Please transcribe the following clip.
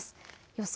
予想